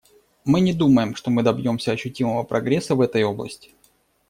Мы не думаем, что мы добьемся ощутимого прогресса в этой области.